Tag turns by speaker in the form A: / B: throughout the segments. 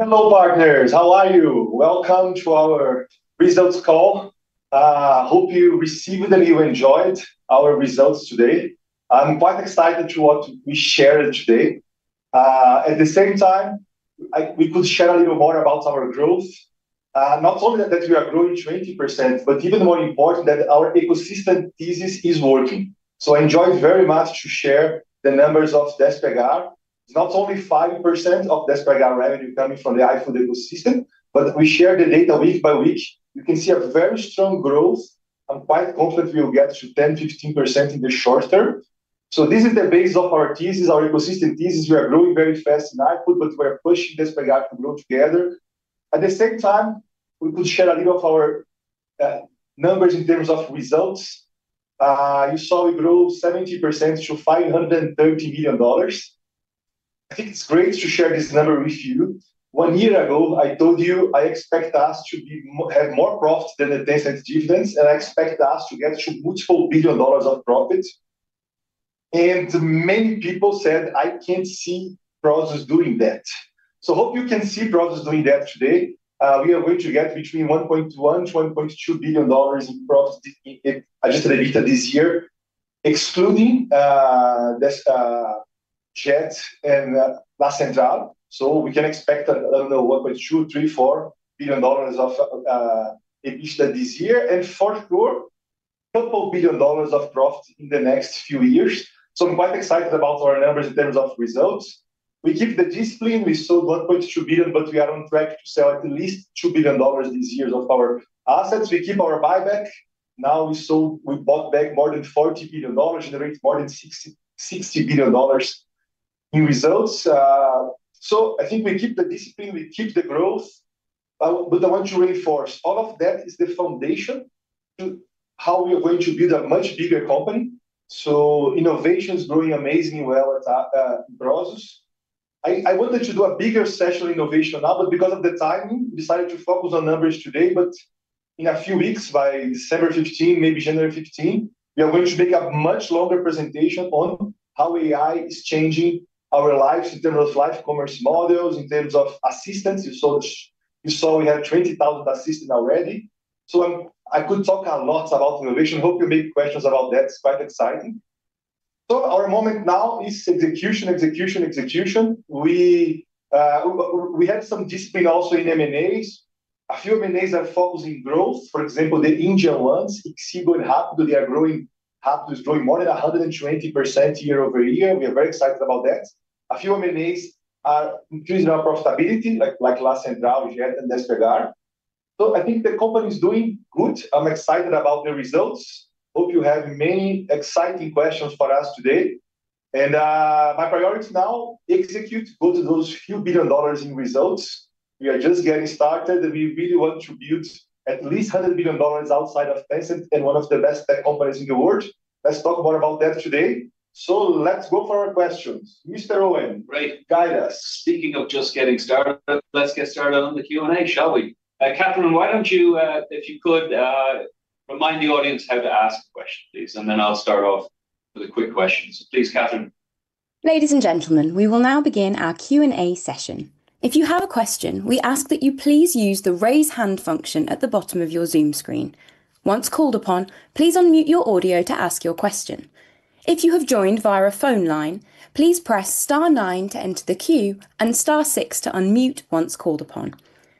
A: Hello, partners. How are you? Welcome to our results call. I hope you received them and you enjoyed our results today. I'm quite excited to what we shared today. At the same time, we could share a little more about our growth, not only that we are growing 20%, but even more important that our ecosystem thesis is working. I enjoyed very much to share the numbers of Despegar. It's not only 5% of Despegar revenue coming from the iFood ecosystem, but we share the data week by week. You can see a very strong growth. I'm quite confident we'll get to 10%, 15% in the short term. This is the base of our thesis, our ecosystem thesis. We are growing very fast in iFood, but we are pushing Despegar to grow together. At the same time, we could share a little of our numbers in terms of results. You saw we grew 70% to $530 million. I think it's great to share this number with you. One year ago, I told you I expect us to have more profit than the 10 cents dividends, and I expect us to get to multiple billion dollars of profit. Many people said, "I can't see Prashanth doing that." I hope you can see Prashanth doing that today. We are going to get between $1.1 billion-$1.2 billion in profit this year, excluding JET and La Centrale. We can expect $1.2, $3, $4 billion of EBITDA this year, and for sure, a couple of billion dollars of profit in the next few years. I am quite excited about our numbers in terms of results. We keep the discipline. We sold $1.2 billion, but we are on track to sell at least $2 billion this year of our assets. We keep our buyback. Now we bought back more than $40 billion, generating more than $60 billion in results. I think we keep the discipline. We keep the growth. I want to reinforce all of that is the foundation to how we are going to build a much bigger company. Innovation is growing amazingly well at Prosus. I wanted to do a bigger session on innovation now, but because of the timing, we decided to focus on numbers today. In a few weeks, by December 15, maybe January 15, we are going to make a much longer presentation on how AI is changing our lives in terms of life commerce models, in terms of assistance. You saw we had 20,000 assistants already. I could talk a lot about innovation. Hope you make questions about that. It's quite exciting. Our moment now is execution, execution, execution. We have some discipline also in M&As. A few M&As are focused in growth. For example, the Indian ones, Swiggy and Rapido, they are growing. Rapido is growing more than 120% year-over-year. We are very excited about that. A few M&As are increasing our profitability, like La Centrale, JET, and Despegar. I think the company is doing good. I'm excited about the results. Hope you have many exciting questions for us today. My priority now is to execute, go to those few billion dollars in results. We are just getting started. We really want to build at least $100 billion outside of Tencent and one of the best tech companies in the world. Let's talk more about that today. Let's go for our questions. Mr. Eoin, guide us.
B: Speaking of just getting started, let's get started on the Q&A, shall we? Katherine, why don't you, if you could, remind the audience how to ask a question, please? I will start off with a quick question. Please, Katherine.
C: Ladies and gentlemen, we will now begin our Q&A session. If you have a question, we ask that you please use the raise hand function at the bottom of your Zoom screen. Once called upon, please unmute your audio to ask your question. If you have joined via a phone line, please press star nine to enter the queue and star six to unmute once called upon.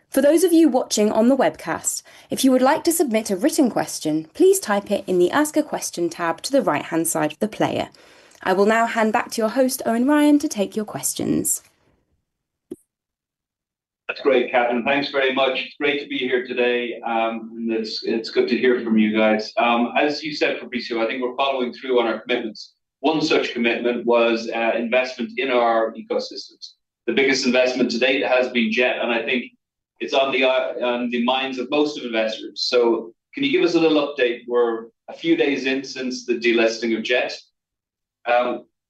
C: For those of you watching on the webcast, if you would like to submit a written question, please type it in the Ask a Question tab to the right-hand side of the player. I will now hand back to your host, Eoin Ryan, to take your questions.
B: That's great, Katherine. Thanks very much. It's great to be here today. It's good to hear from you guys. As you said, Fabricio, I think we're following through on our commitments. One such commitment was investment in our ecosystems. The biggest investment to date has been JET, and I think it's on the minds of most of investors. Can you give us a little update? We're a few days in since the delisting of JET.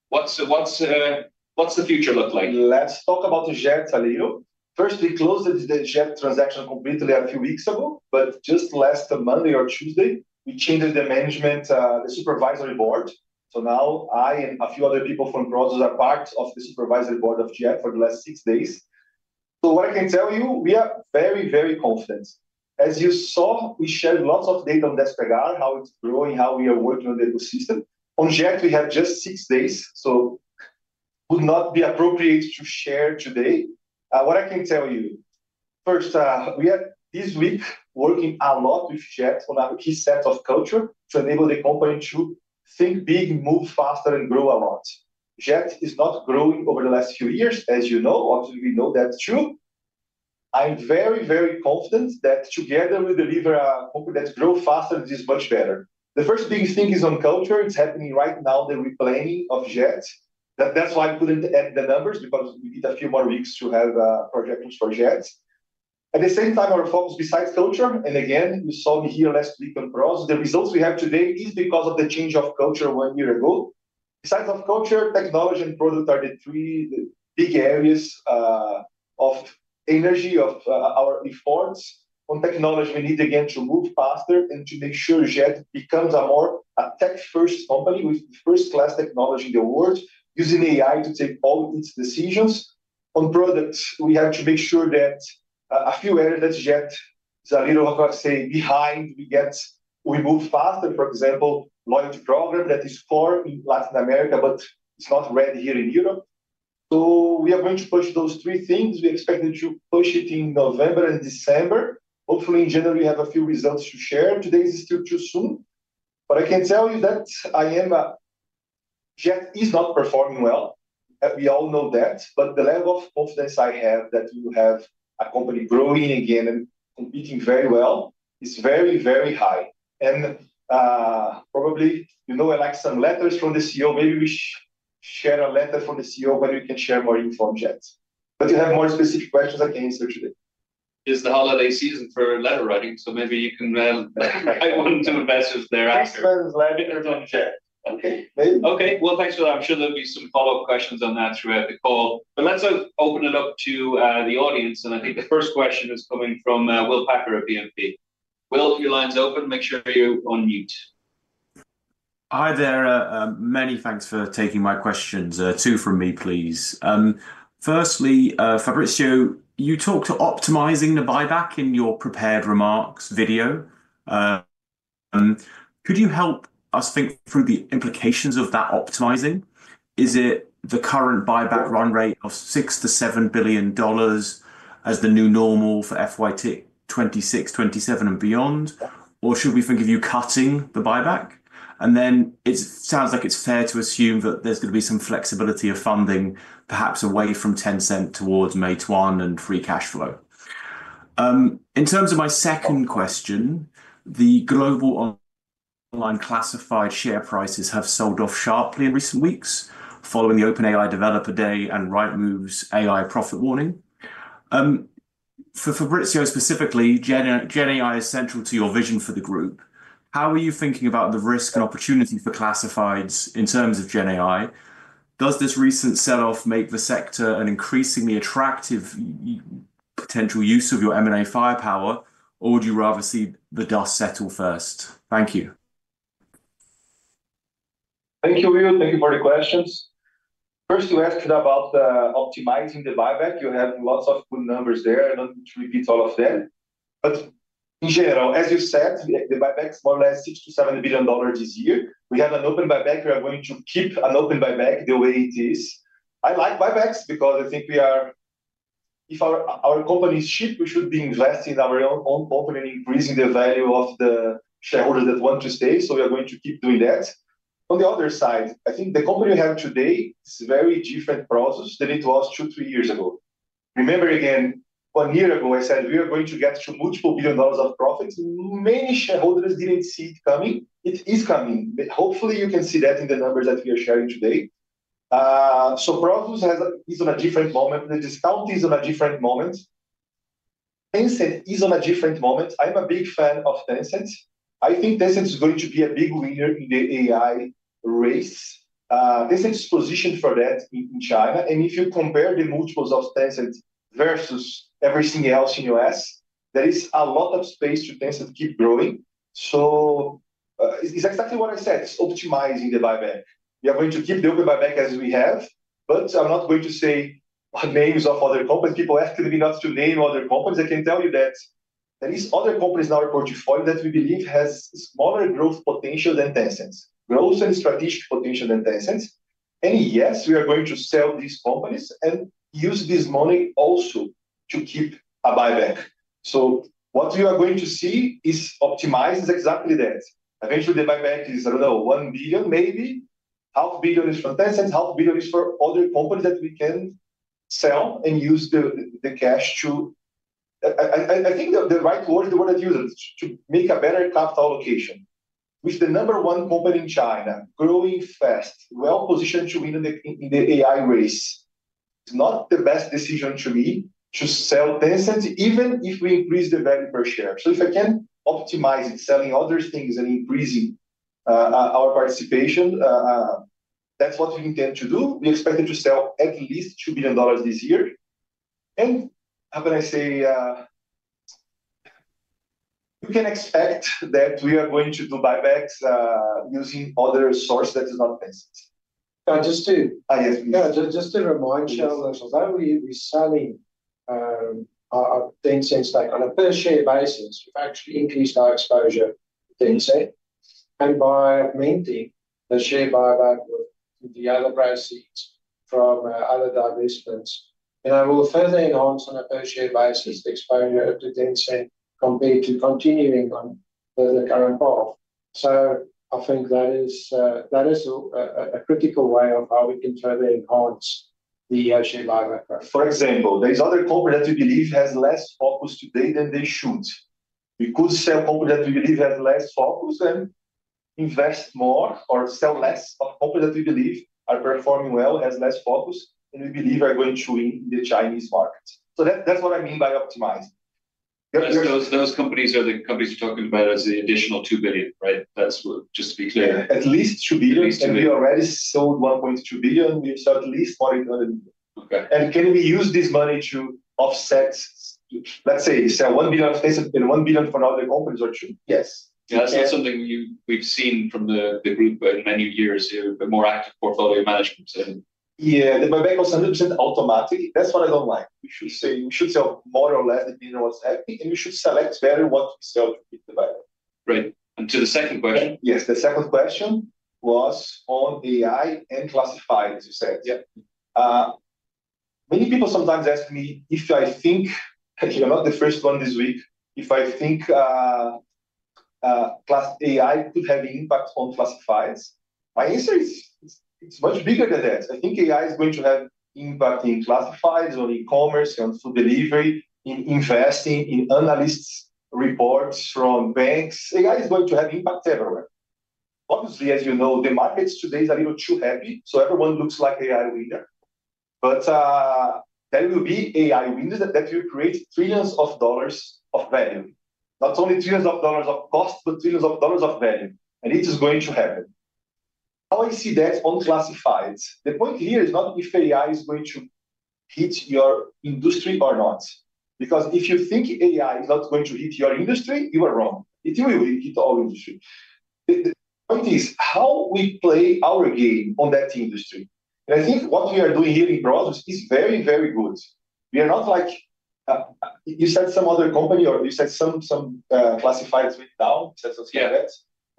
B: What's the future look like?
A: Let's talk about JET a little. First, we closed the JET transaction completely a few weeks ago, but just last Monday or Tuesday, we changed the management, the supervisory board. Now I and a few other people from Prosus are part of the supervisory board of JET for the last six days. What I can tell you, we are very, very confident. As you saw, we shared lots of data on Despegar, how it's growing, how we are working on the ecosystem. On JET, we had just six days, so it would not be appropriate to share today. What I can tell you, first, we are this week working a lot with JET on a key set of culture to enable the company to think big, move faster, and grow a lot. JET is not growing over the last few years, as you know. Obviously, we know that's true. I'm very, very confident that together we deliver a company that grows faster and is much better. The first big thing is on culture. It's happening right now, the replanning of JET. That's why I couldn't add the numbers, because we need a few more weeks to have project for JET. At the same time, our focus besides culture, and again, you saw me here last week on Prosus, the results we have today is because of the change of culture one year ago. Besides culture, technology and product are the three big areas of energy of our efforts. On technology, we need again to move faster and to make sure JET becomes a more tech-first company with first-class technology in the world, using AI to take all its decisions. On products, we have to make sure that a few areas that JET is a little, I say, behind, we move faster. For example, launch a program that is core in Latin America, but it's not ready here in Europe. We are going to push those three things. We expect to push it in November and December. Hopefully, in January, we have a few results to share. Today is still too soon. I can tell you that JET is not performing well. We all know that. The level of confidence I have that we will have a company growing again and competing very well is very, very high. Probably you know I like some letters from the CEO. Maybe we share a letter from the CEO, but we can share more info on JET. You have more specific questions I can answer today.
B: It's the holiday season for letter writing, so maybe you can write one or two messages thereafter.
A: Christmas letters on JET. Okay.
B: Okay. Thanks for that. I'm sure there'll be some follow-up questions on that throughout the call. Let's open it up to the audience. I think the first question is coming from Will Packer of BNP. Will, your line's open. Make sure you're on mute.
D: Hi there. Many thanks for taking my questions. Two from me, please. Firstly, Fabricio, you talked to optimizing the buyback in your prepared remarks video. Could you help us think through the implications of that optimizing? Is it the current buyback run rate of $6 billion-$7 billion as the new normal for FY2026, 2027, and beyond? Should we think of you cutting the buyback? It sounds like it's fair to assume that there's going to be some flexibility of funding, perhaps away from Tencent towards Meituan and free cash flow. In terms of my second question, the global online classified share prices have sold off sharply in recent weeks following the OpenAI Developer Day and Rightmove's AI profit warning. For Fabricio specifically, GenAI is central to your vision for the group. How are you thinking about the risk and opportunity for classifieds in terms of GenAI? Does this recent selloff make the sector an increasingly attractive potential use of your M&A firepower, or would you rather see the dust settle first? Thank you.
A: Thank you, Will. Thank you for the questions. First, you asked about optimizing the buyback. You have lots of good numbers there. I do not need to repeat all of them. In general, as you said, the buyback is more or less $6 billion-$7 billion this year. We have an open buyback. We are going to keep an open buyback the way it is. I like buybacks because I think we are, if our company is cheap, we should be investing in our own company and increasing the value of the shareholders that want to stay. We are going to keep doing that. On the other side, I think the company we have today is a very different Prosus than it was two, three years ago. Remember again, one year ago, I said we are going to get to multiple billion dollars of profits. Many shareholders did not see it coming. It is coming. Hopefully, you can see that in the numbers that we are sharing today. So Prosus is on a different moment. The discount is on a different moment. Tencent is on a different moment. I am a big fan of Tencent. I think Tencent is going to be a big winner in the AI race. Tencent is positioned for that in China. If you compare the multiples of Tencent versus everything else in the US, there is a lot of space for Tencent to keep growing. It is exactly what I said. It is optimizing the buyback. We are going to keep the open buyback as we have, but I am not going to say names of other companies. People ask me not to name other companies. I can tell you that there are other companies in our portfolio that we believe have smaller growth potential than Tencent, growth and strategic potential than Tencent. Yes, we are going to sell these companies and use this money also to keep a buyback. What we are going to see is optimizing exactly that. Eventually, the buyback is, I don't know, $1 billion maybe. $500 million is for Tencent. $500 million is for other companies that we can sell and use the cash to, I think the right word, the word I'd use, to make a better capital allocation. With the number one company in China growing fast, well-positioned to win in the AI race, it's not the best decision to me to sell Tencent, even if we increase the value per share. If I can optimize it, selling other things and increasing our participation, that's what we intend to do. We expect it to sell at least $2 billion this year. How can I say? You can expect that we are going to do buybacks using other sources that are not Tencent.
E: Just to.
A: Yes, please.
E: Just to remind you, we're selling Tencent on a per-share basis. We've actually increased our exposure to Tencent. By meaning the share buyback of the other proceeds from other divestments. I will further enhance on a per-share basis the exposure to Tencent compared to continuing on the current path. I think that is a critical way of how we can further enhance the share buyback.
A: For example, there are other companies that we believe have less focus today than they should. We could sell companies that we believe have less focus and invest more or sell less of companies that we believe are performing well, have less focus, and we believe are going to win in the Chinese market. That is what I mean by optimizing.
B: Those companies are the companies you're talking about as the additional $2 billion, right? That's just to be clear.
A: At least $2 billion.
E: We already sold $1.2 billion. We've sold at least $40 million.
A: Okay.
E: Can we use this money to offset, let's say, sell $1 billion to Tencent and $1 billion for other companies, or two?
A: Yes.
B: That's not something we've seen from the group in many years, a more active portfolio management.
A: Yeah, the buyback was 100% automatic. That's what I don't like. We should sell more or less than what's happening, and we should select better what we sell to keep the buyback.
B: Right. To the second question.
A: Yes, the second question was on AI and classifieds, you said. Many people sometimes ask me if I think, you're not the first one this week, if I think AI could have an impact on classifieds. My answer is it's much bigger than that. I think AI is going to have an impact in classifieds or e-commerce and food delivery, in investing, in analysts' reports from banks. AI is going to have an impact everywhere. Obviously, as you know, the markets today are a little too happy, so everyone looks like an AI winner. There will be AI winners that will create trillions of dollars of value, not only trillions of dollars of cost, but trillions of dollars of value. It is going to happen. How I see that on classifieds? The point here is not if AI is going to hit your industry or not. Because if you think AI is not going to hit your industry, you are wrong. It will hit all industries. The point is how we play our game on that industry. I think what we are doing here in Prosus is very, very good. We are not like, you said some other company, or you said some classifieds went down. You said some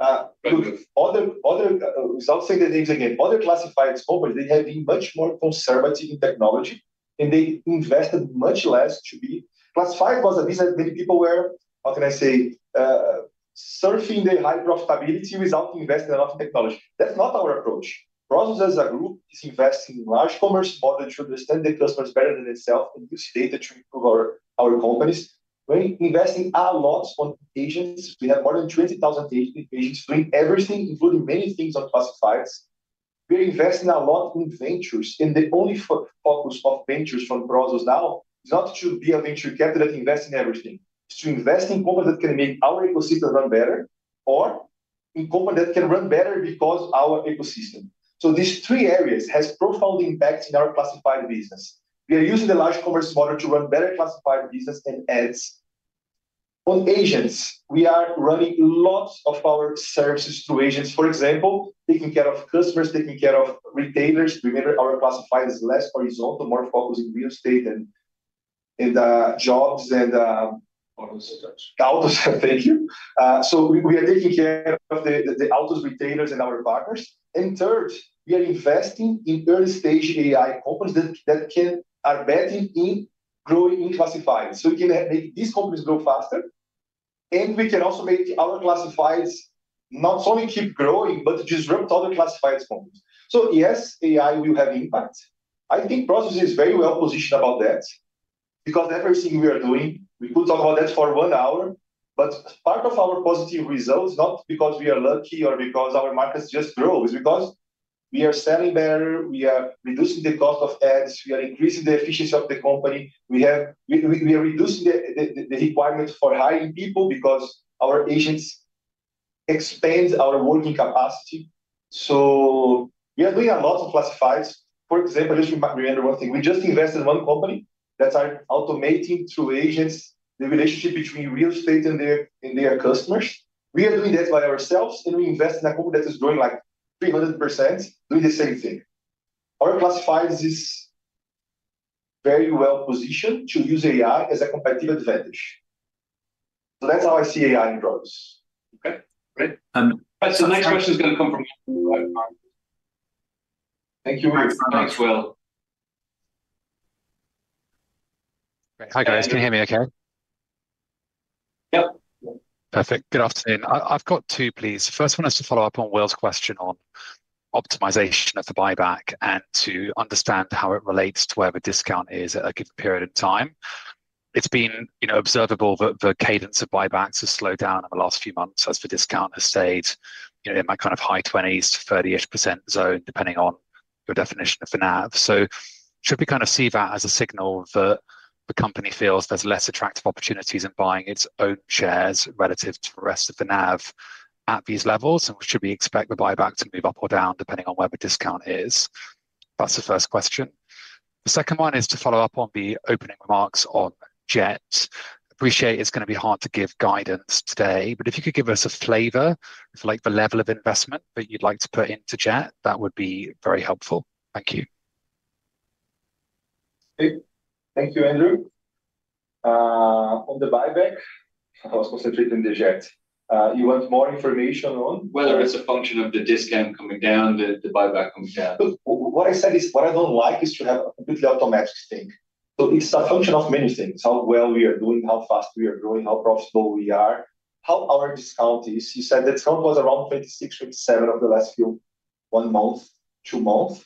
A: share that. Look, without saying their names again, other classifieds companies, they have been much more conservative in technology, and they invested much less to be. Classifieds was a business that many people were, how can I say, surfing the high profitability without investing enough in technology. That's not our approach. Prosus as a group is investing in large commerce model to understand the customers better than itself and use data to improve our companies. We're investing a lot on agents. We have more than 20,000 agents doing everything, including many things on classifieds. We are investing a lot in ventures. The only focus of ventures from Prosus now is not to be a venture capitalist investing in everything. It is to invest in companies that can make our ecosystem run better or in companies that can run better because of our ecosystem. These three areas have profound impacts in our classified business. We are using the large commerce model to run better classified business and ads. On agents, we are running lots of our services through agents, for example, taking care of customers, taking care of retailers. Remember, our classified is less horizontal, more focused on real estate and jobs and.
B: Autos.
A: Autos. Thank you. We are taking care of the autos, retailers, and our partners. Third, we are investing in early-stage AI companies that are betting in growing in classifieds. We can make these companies grow faster, and we can also make our classifieds not only keep growing, but disrupt other classifieds companies. Yes, AI will have impact. I think Prosus is very well positioned about that because everything we are doing, we could talk about that for one hour, but part of our positive results, not because we are lucky or because our markets just grow, is because we are selling better, we are reducing the cost of ads, we are increasing the efficiency of the company, we are reducing the requirement for hiring people because our agents expand our working capacity. We are doing a lot of classifieds. For example, just remember one thing. We just invested in one company that is automating through agents the relationship between real estate and their customers. We are doing that by ourselves, and we invest in a company that is growing like 300%, doing the same thing. Our classifieds are very well positioned to use AI as a competitive advantage. That is how I see AI in Prosus.
B: Okay. Great. All right. The next question is going to come from Andrew.
D: Thank you.
B: Thanks, Will.
F: Hi, guys. Can you hear me okay?
A: Yep.
F: Perfect. Good afternoon. I've got two, please. First one is to follow up on Will's question on optimization of the buyback and to understand how it relates to where the discount is at a given period of time. It's been observable that the cadence of buybacks has slowed down in the last few months as the discount has stayed in that kind of high 20s to 30% zone, depending on your definition of the NAV. Should we kind of see that as a signal that the company feels there's less attractive opportunities in buying its own shares relative to the rest of the NAV at these levels, and should we expect the buyback to move up or down depending on where the discount is? That's the first question. The second one is to follow up on the opening remarks on JET. Appreciate it's going to be hard to give guidance today, but if you could give us a flavor of the level of investment that you'd like to put into JET, that would be very helpful. Thank you.
A: Thank you, Andrew. On the buyback, Prosus was treating the JET. You want more information on?
B: Whether it's a function of the discount coming down, the buyback coming down.
A: What I said is what I do not like is to have a completely automatic thing. It is a function of many things: how well we are doing, how fast we are growing, how profitable we are, how our discount is. You said the discount was around 26%, 27% of the last few, one month, two months.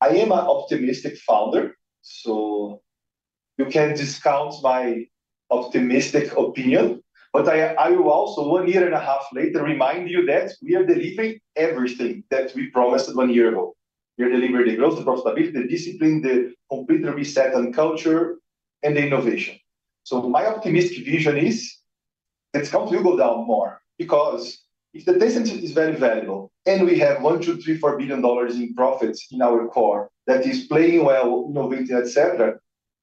A: I am an optimistic founder, so you can discount my optimistic opinion, but I will also, one year and a half later, remind you that we are delivering everything that we promised one year ago. We are delivering the growth, the profitability, the discipline, the complete reset on culture, and the innovation. My optimistic vision is the discount will go down more because if the Tencent is very valuable and we have $1, $2, $3, $4 billion in profits in our core that is playing well, innovating, et cetera,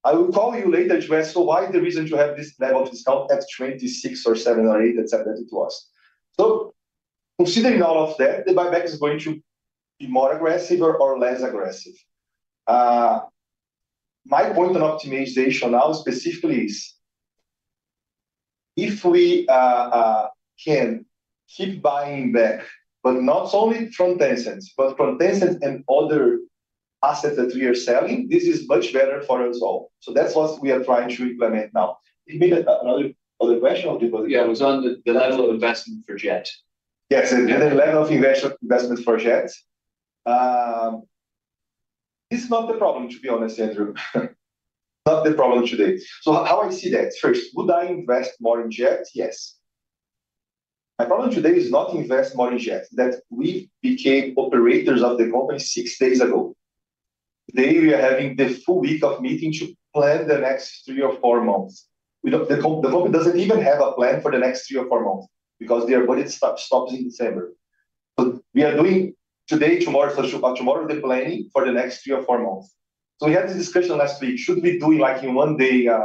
A: I will call you later and ask, "So why the reason you have this level of discount at 26 or 7 or 8, etc., that it was?" Considering all of that, the buyback is going to be more aggressive or less aggressive. My point on optimization now specifically is if we can keep buying back, but not only from Tencent, but from Tencent and other assets that we are selling, this is much better for us all. That is what we are trying to implement now. You made another question or did you?
F: Yeah, it was on the level of investment for JET.
A: Yes, the level of investment for JET. This is not the problem, to be honest, Andrew. Not the problem today. How I see that? First, would I invest more in JET? Yes. My problem today is not to invest more in JET, that we became operators of the company six days ago. Today, we are having the full week of meeting to plan the next three or four months. The company does not even have a plan for the next three or four months because their budget stops in December. We are doing today, tomorrow, tomorrow, the planning for the next three or four months. We had this discussion last week. Should we do in one day a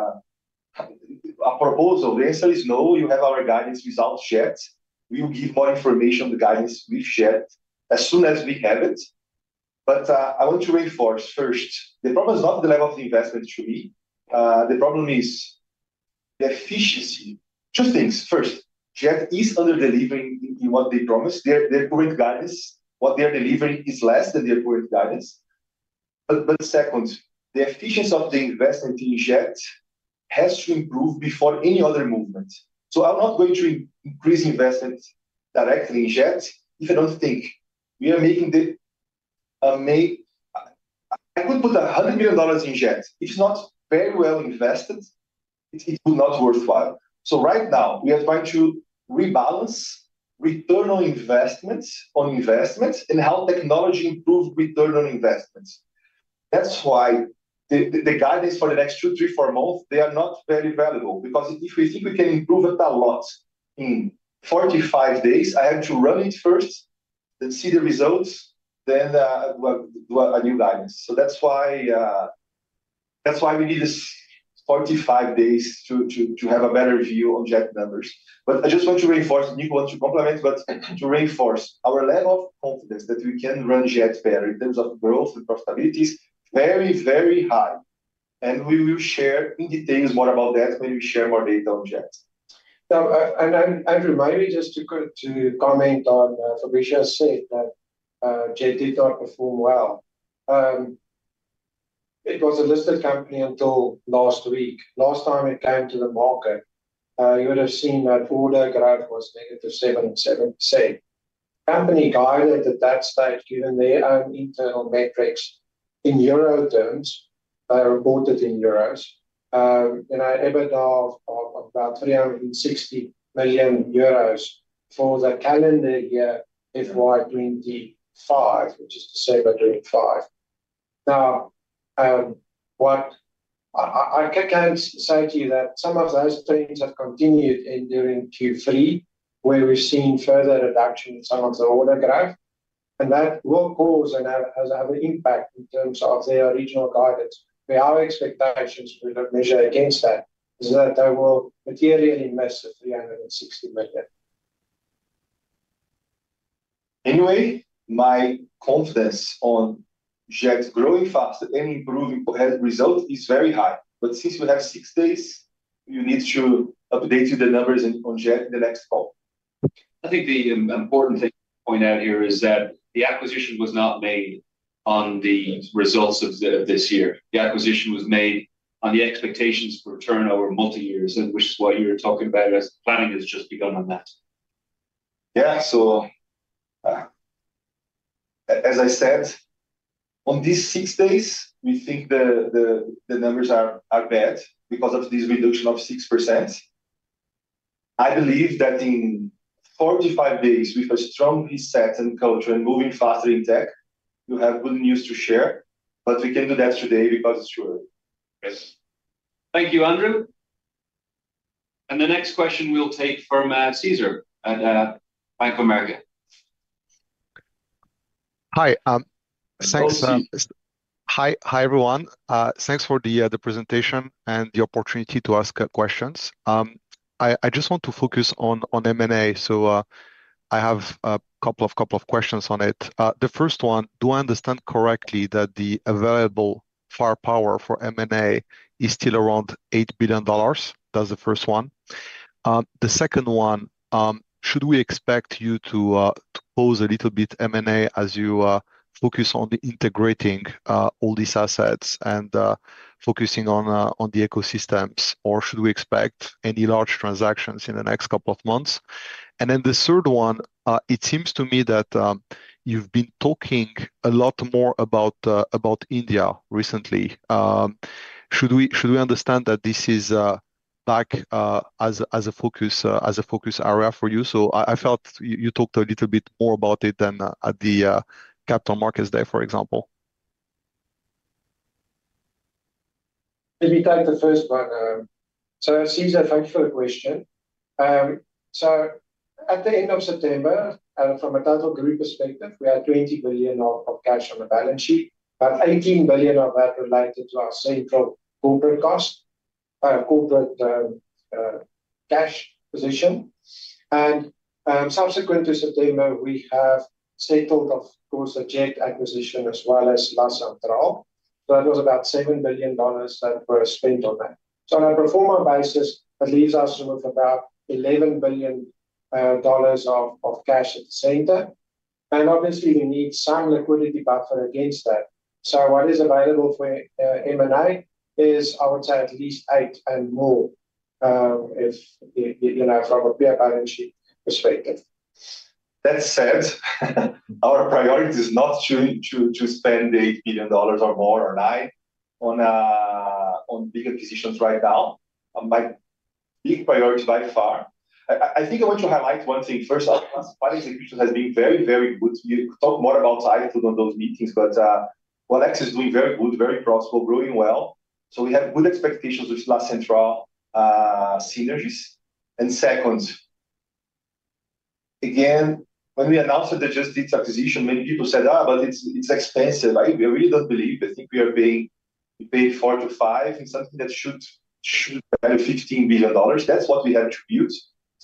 A: proposal? The answer is no. You have our guidance without JET. We will give more information on the guidance with JET as soon as we have it. I want to reinforce first, the problem is not the level of investment to me. The problem is the efficiency. Two things. First, JET is under delivering what they promised. Their current guidance, what they are delivering is less than their current guidance. Second, the efficiency of the investment in JET has to improve before any other movement. I'm not going to increase investment directly in JET if I don't think we are making the I could put $100 million in JET. If it's not very well invested, it will not be worthwhile. Right now, we are trying to rebalance return on investments and help technology improve return on investments. That's why the guidance for the next two, three, four months, they are not very valuable because if we think we can improve it a lot in 45 days, I have to run it first and see the results, then do a new guidance. That's why we need 45 days to have a better view on JET numbers. I just want to reinforce, Basil wants to complement, to reinforce our level of confidence that we can run JET better in terms of growth and profitability is very, very high. We will share in details more about that when we share more data on JET.
E: I would remind you just to comment on Fabricio's saying that JET did not perform well. It was a listed company until last week. Last time it came to the market, you would have seen that order graph was -77%. Company guided at that stage, given their own internal metrics in euro terms, reported in euros, an EBITDA of about 360 million euros for the calendar year FY2025, which is December 2025. Now, I can say to you that some of those trends have continued during Q3, where we've seen further reduction in some of the order graph, and that will cause another impact in terms of their original guidance. Our expectations will not measure against that, is that they will materially miss the EUR 360 million.
A: Anyway, my confidence on JET growing faster and improving results is very high. Since we have six days, you need to update you the numbers on JET in the next call.
B: I think the important thing to point out here is that the acquisition was not made on the results of this year. The acquisition was made on the expectations for turnover multi-years, which is what you're talking about as planning has just begun on that.
A: Yeah. As I said, on these six days, we think the numbers are bad because of this reduction of 6%. I believe that in 45 days, with a strong reset in culture and moving faster in tech, we'll have good news to share. We can do that today because it's true.
B: Yes. Thank you, Andrew. The next question we'll take from Cesar at Bank of America.
G: Hi.
A: Hello.
G: Hi, everyone. Thanks for the presentation and the opportunity to ask questions. I just want to focus on M&A, so I have a couple of questions on it. The first one, do I understand correctly that the available firepower for M&A is still around $8 billion? That's the first one. The second one, should we expect you to pause a little bit M&A as you focus on integrating all these assets and focusing on the ecosystems, or should we expect any large transactions in the next couple of months? The third one, it seems to me that you've been talking a lot more about India recently. Should we understand that this is back as a focus area for you? I felt you talked a little bit more about it than at the Capital Markets Day, for example.
A: Let me take the first one. Cesar, thank you for the question. At the end of September, from a total group perspective, we had $20 billion of cash on the balance sheet, but $18 billion of that related to our central corporate cost, our corporate cash position. Subsequent to September, we have settled, of course, the JET acquisition as well as last summer. That was about $7 billion that were spent on that. On a pro forma basis, that leaves us with about $11 billion of cash at the center. Obviously, we need some liquidity buffer against that. What is available for M&A is, I would say, at least $8 billion and more from a peer balance sheet perspective. That said, our priority is not to spend the $8 billion or more on bigger positions right now. My big priority by far, I think I want to highlight one thing. First, our fund execution has been very, very good. We talk more about iFood on those meetings, but OLX is doing very good, very profitable, growing well. So we have good expectations with La Centrale synergies. Second, again, when we announced that JET acquisition, many people said, "But it's expensive." I really don't believe. I think we are paying $4 billion-$5 billion in something that should be $15 billion. That's what we have to build.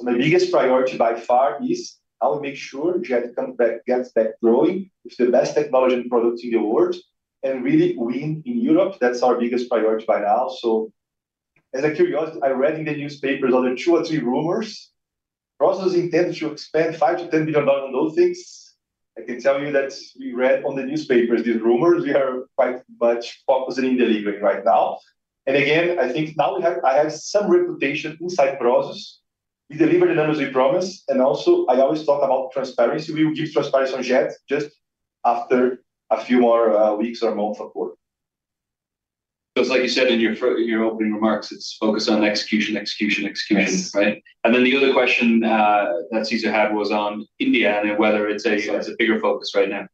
A: My biggest priority by far is how we make sure JET gets back growing with the best technology and products in the world and really win in Europe. That's our biggest priority by now. As a curiosity, I read in the newspapers other two or three rumors. Prosus intends to expend $5 billion-$10 billion on those things. I can tell you that we read on the newspapers these rumors. We are quite much focusing in delivering right now. I think now I have some reputation inside Prosus. We deliver the numbers we promised. I always talk about transparency. We will give transparency on JET just after a few more weeks or a month or more.
B: It is like you said in your opening remarks, it is focus on execution, execution, execution, right? The other question that Cesar had was on India, whether it is a bigger focus right now.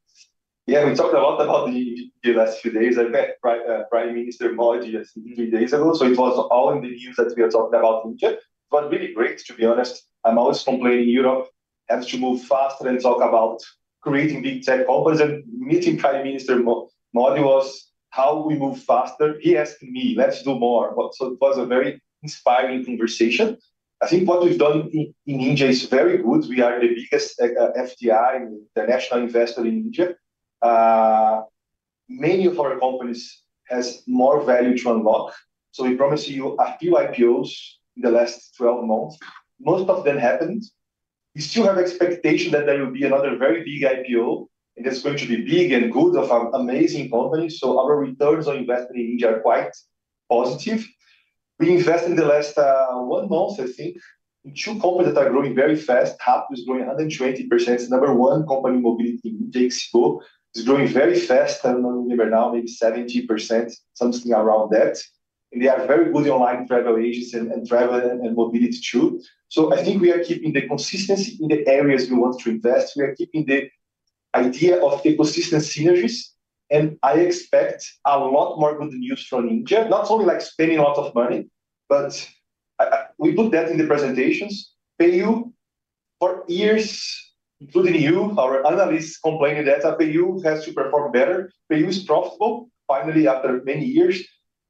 A: Yeah, we talked a lot about India the last few days. I met Prime Minister Modi just three days ago. It was all in the news that we are talking about in JET. Really great, to be honest. I'm always complaining Europe has to move faster and talk about creating big tech companies. Meeting Prime Minister Modi was how we move faster. He asked me, "Let's do more." It was a very inspiring conversation. I think what we've done in India is very good. We are the biggest FDI, international investor in India. Many of our companies have more value to unlock. We promised you a few IPOs in the last 12 months. Most of them happened. We still have expectations that there will be another very big IPO, and it's going to be big and good of an amazing company. Our returns on investment in India are quite positive. We invested in the last one month, I think, in two companies that are growing very fast. Rapido is growing 120%. It's the number one company in mobility in Jake's book. It's growing very fast. I don't remember now, maybe 70%, something around that. And they are very good online travel agents and travel and mobility too. I think we are keeping the consistency in the areas we want to invest. We are keeping the idea of ecosystem synergies. I expect a lot more good news from India, not only like spending a lot of money, but we put that in the presentations. PayU, for years, including you, our analysts complaining that PayU has to perform better. PayU is profitable. Finally, after many years,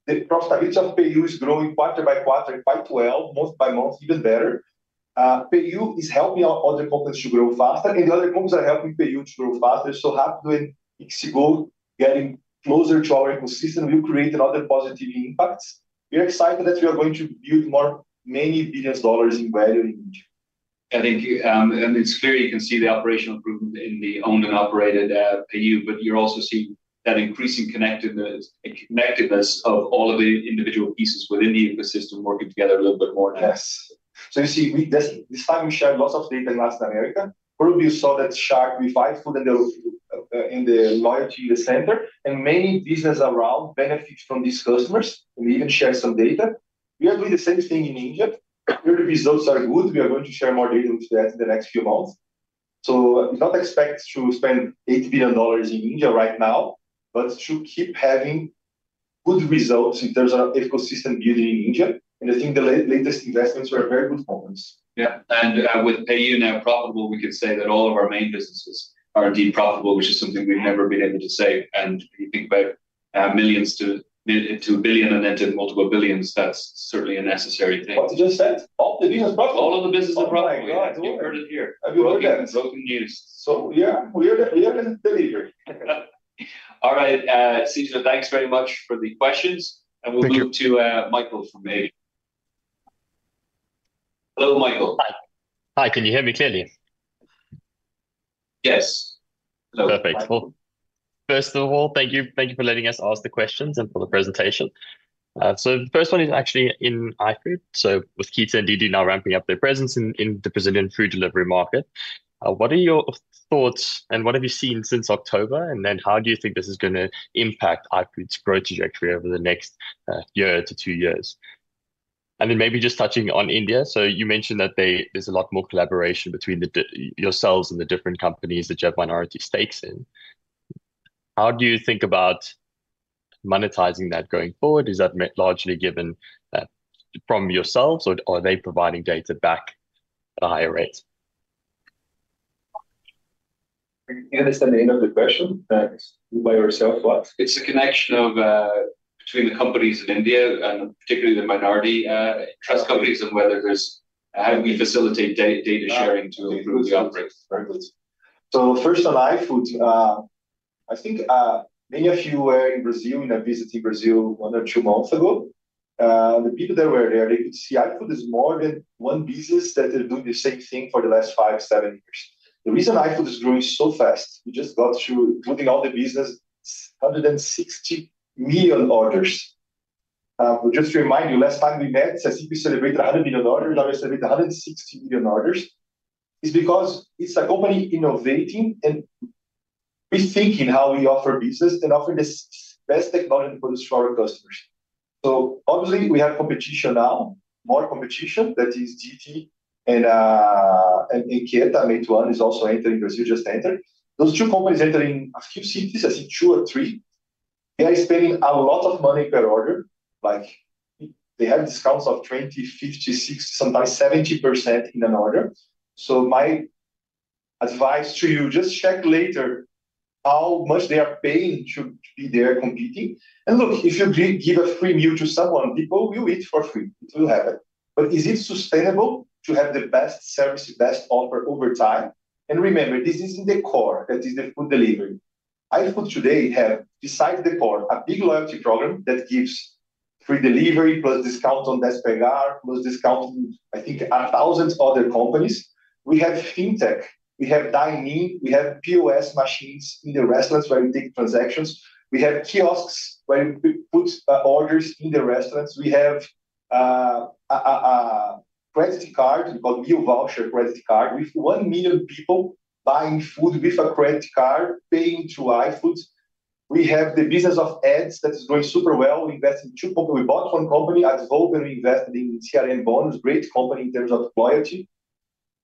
A: the profitability of PayU is growing quarter-by-quarter and quite well, month by month, even better. PayU is helping other companies to grow faster, and the other companies are helping PayU to grow faster. Hapus and Ixigor getting closer to our ecosystem will create a lot of positive impacts. We are excited that we are going to build more many billions of dollars in value in India.
B: Yeah, thank you. It is clear you can see the operational improvement in the owned and operated PayU, but you are also seeing that increasing connectedness of all of the individual pieces within the ecosystem working together a little bit more now.
A: Yes. You see, this time we shared lots of data in Latin America. Probably you saw that Shark, WeFiFood, and the loyalty in the center, and many businesses around benefit from these customers. We even shared some data. We are doing the same thing in India. The results are good. We are going to share more data with that in the next few months. We do not expect to spend $8 billion in India right now, but to keep having good results in terms of ecosystem building in India. I think the latest investments were very good companies.
B: Yeah. With PayU now profitable, we could say that all of our main businesses are indeed profitable, which is something we've never been able to say. You think about millions to a billion and then to multiple billions, that's certainly a necessary thing.
A: What you just said? All the businesses profitable.
B: All of the businesses profitable.
A: You heard it here.
B: Have you heard that?
A: Broken news. Yeah, we are in delivery.
B: All right, Cesar, thanks very much for the questions. We'll move to Michael. Hello, Michael. Hi. Hi, can you hear me clearly? Yes. Perfect. First of all, thank you for letting us ask the questions and for the presentation. The first one is actually in iFood. With Keeta and Didi now ramping up their presence in the Brazilian food delivery market, what are your thoughts and what have you seen since October? How do you think this is going to impact iFood's growth trajectory over the next year to two years? Maybe just touching on India. You mentioned that there is a lot more collaboration between yourselves and the different companies that JET minority stakes in. How do you think about monetizing that going forward? Is that largely given from yourselves, or are they providing data back at a higher rate?
A: You understand the end of the question by yourself, what?
B: It's a connection between the companies in India and particularly the minority trust companies and whether there's how do we facilitate data sharing to improve the outbreak.
A: First on iFood, I think many of you were in Brazil in a visit in Brazil one or two months ago. The people that were there, they could see iFood is more than one business that is doing the same thing for the last five, seven years. The reason iFood is growing so fast, we just got through, including all the business, 160 million orders. Just to remind you, last time we met, I think we celebrated 100 million orders. Now we're celebrating 160 million orders. It's because it's a company innovating and rethinking how we offer business and offer the best technology and produce for our customers. Obviously, we have competition now, more competition. That is Didi and Rappi. Meituan is also entering Brazil, just entered. Those two companies entering a few cities, I think two or three. They are spending a lot of money per order. They have discounts of 20%, 50%, 60%, sometimes 70% in an order. My advice to you, just check later how much they are paying to be there competing. Look, if you give a free meal to someone, people will eat for free. It will happen. Is it sustainable to have the best service, best offer over time? Remember, this is in the core. That is the food delivery. iFood today has, besides the core, a big loyalty program that gives free delivery plus discount on Despegar, plus discount on, I think, 1,000 other companies. We have fintech. We have dining. We have POS machines in the restaurants where we take transactions. We have kiosks where we put orders in the restaurants. We have a credit card, called Meal Voucher credit card, with 1 million people buying food with a credit card, paying to iFood. We have the business of ads that is going super well. We invest in two companies. We bought one company, Advogo. We invested in CRM Bonus, great company in terms of loyalty.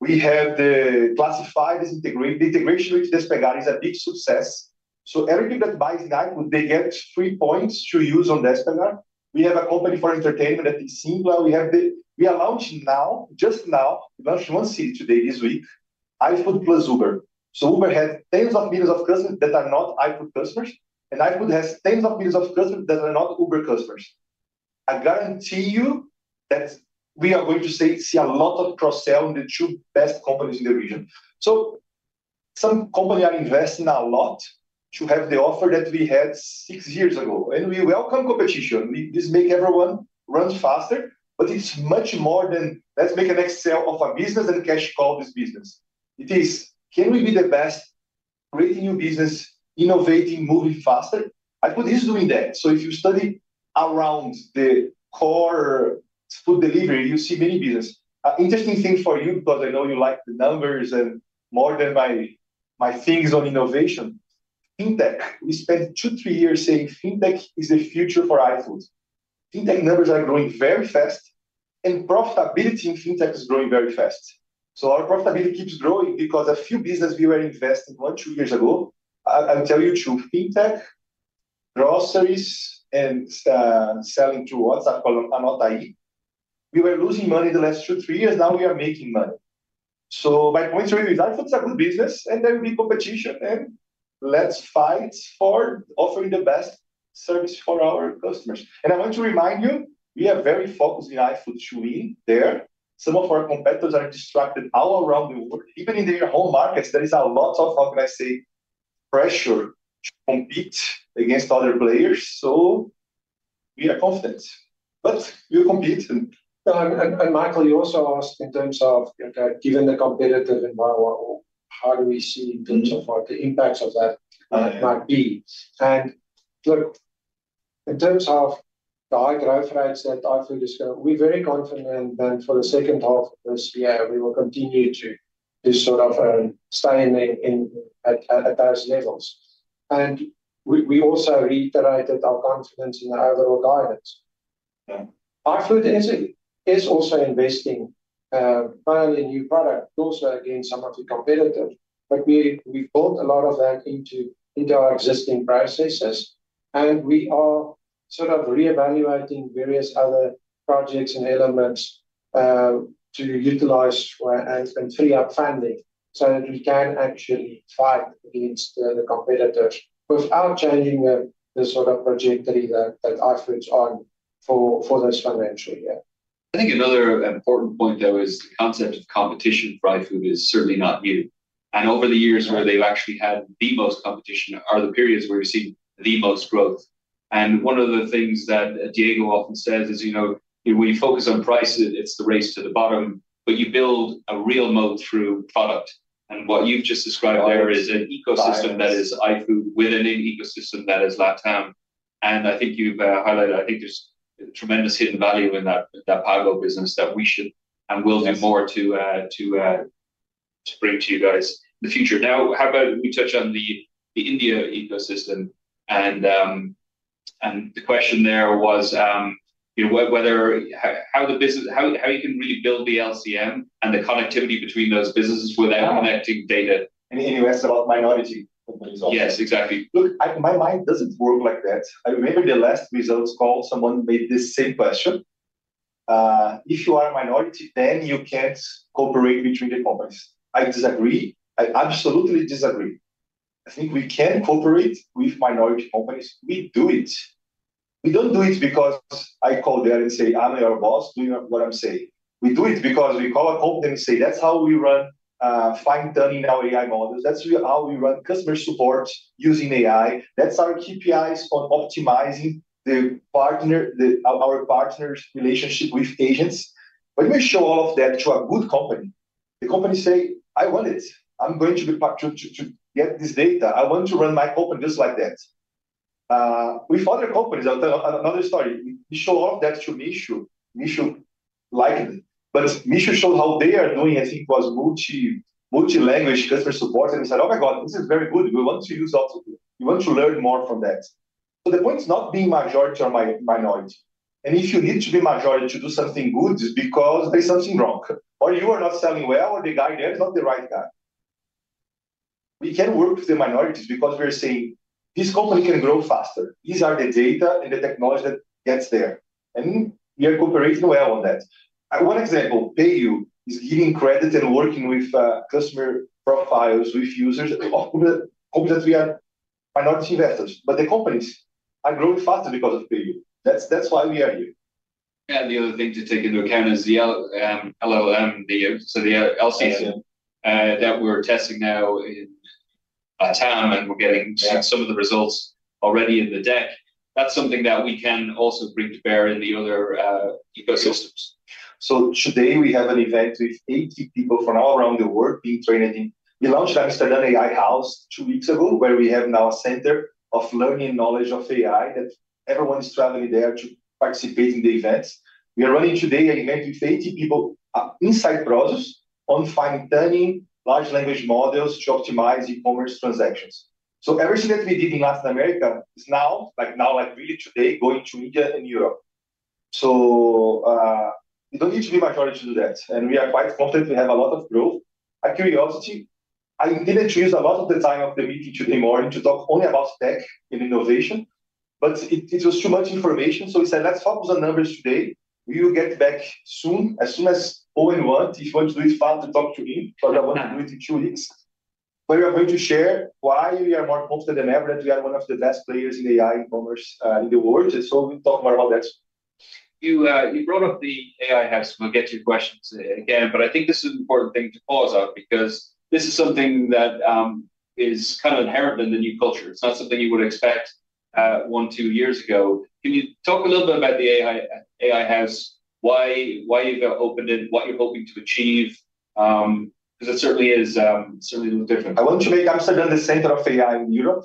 A: We have the classifieds integration. The integration with Despegar is a big success. Everybody that buys in iFood, they get free points to use on Despegar. We have a company for entertainment at the Simba. We are launching now, just now, we launched one city today, this week, iFood plus Uber. Uber has tens of millions of customers that are not iFood customers, and iFood has tens of millions of customers that are not Uber customers. I guarantee you that we are going to see a lot of cross-sell in the two best companies in the region. Some companies are investing a lot to have the offer that we had six years ago. We welcome competition. This makes everyone run faster, but it's much more than let's make an Excel of a business and cash call this business. It is, can we be the best, creating new business, innovating, moving faster? iFood is doing that. If you study around the core food delivery, you see many businesses. Interesting thing for you, because I know you like the numbers and more than my things on innovation. Fintech, we spent two, three years saying fintech is the future for iFood. Fintech numbers are growing very fast, and profitability in fintech is growing very fast. Our profitability keeps growing because a few businesses we were investing one, two years ago, I'll tell you true, fintech, groceries, and selling through WhatsApp, AnotAI, we were losing money the last two, three years. Now we are making money. My point to you is iFood is a good business, and there will be competition, and let's fight for offering the best service for our customers. I want to remind you, we are very focused in iFood to win there. Some of our competitors are distracted all around the world. Even in their home markets, there is a lot of, how can I say, pressure to compete against other players. We are confident, but we will compete.
E: Michael, you also asked in terms of given the competitive environment, how do we see in terms of what the impacts of that might be? Look, in terms of the high growth rates that iFood is going, we're very confident that for the second half of this year, we will continue to sort of stay at those levels. We also reiterated our confidence in the overall guidance. iFood is also investing not only in new products, but also against some of the competitors. We've built a lot of that into our existing processes. We are sort of reevaluating various other projects and elements to utilize and free up funding so that we can actually fight against the competitors without changing the sort of trajectory that iFood's on for this financial year.
B: I think another important point, though, is the concept of competition for iFood is certainly not new. Over the years where they've actually had the most competition are the periods where you see the most growth. One of the things that Diego often says is, you know, when you focus on price, it's the race to the bottom, but you build a real moat through product. What you've just described there is an ecosystem that is iFood within an ecosystem that is Latam. I think you've highlighted, I think there's tremendous hidden value in that power business that we should and will do more to bring to you guys in the future. Now, how about we touch on the India ecosystem? The question there was how you can really build the LCM and the connectivity between those businesses without connecting data.
A: Any less about minority companies also.
B: Yes, exactly.
A: Look, my mind doesn't work like that. I remember the last results call, someone made the same question. If you are a minority, then you can't cooperate between the companies. I disagree. I absolutely disagree. I think we can cooperate with minority companies. We do it. We don't do it because I call there and say, I'm your boss, do what I'm saying. We do it because we call a company and say, that's how we run fine-tuning our AI models. That's how we run customer support using AI. That's our KPIs on optimizing our partners' relationship with agents. When we show all of that to a good company, the company say, I want it. I'm going to get this data. I want to run my company just like that. With other companies, another story. We show all of that to Mishu. Mishu liked it. Mishu showed how they are doing, I think, was multi-language customer support. We said, oh my God, this is very good. We want to use it. We want to learn more from that. The point is not being majority or minority. If you need to be majority to do something good, it's because there's something wrong. Or you are not selling well, or the guy there is not the right guy. We can work with the minorities because we're saying this company can grow faster. These are the data and the technology that gets there. We are cooperating well on that. One example, PayU is giving credit and working with customer profiles, with users, companies that we are minority investors. The companies are growing faster because of PayU. That's why we are here.
B: Yeah, the other thing to take into account is the LLM, so the LCM that we're testing now in Latam, and we're getting some of the results already in the deck. That's something that we can also bring to bear in the other ecosystems.
A: Today we have an event with 80 people from all around the world being trained. We launched Amsterdam AI House two weeks ago, where we have now a center of learning and knowledge of AI that everyone is traveling there to participate in the events. We are running today an event with 80 people inside Prosus on fine-tuning large language models to optimize e-commerce transactions. Everything that we did in Latin America is now, like really today, going to India and Europe. We do not need to be majority to do that. We are quite confident we have a lot of growth. A curiosity, I intended to use a lot of the time of the meeting today morning to talk only about tech and innovation, but it was too much information. We said, let's focus on numbers today. We will get back soon, as soon as Eoin wants. If you want to do it, it's fun to talk to him. I want to do it in two weeks. We are going to share why we are more confident than ever that we are one of the best players in AI e-commerce in the world. We will talk more about that.
B: You brought up the AI hash, so we'll get to your questions again. I think this is an important thing to pause on because this is something that is kind of inherent in the new culture. It's not something you would expect one, two years ago. Can you talk a little bit about the AI hash, why you've opened it, what you're hoping to achieve? It certainly is certainly a little different.
A: I want to make Amsterdam the center of AI in Europe.